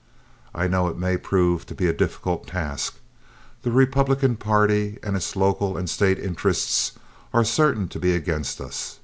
I know it may prove to be a difficult task. The Republican party and its local and State interests are certain to be against us.